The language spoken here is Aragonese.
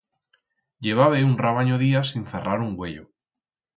Llevabe un rabanyo días sin zarrar un uello.